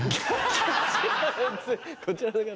こちらの方？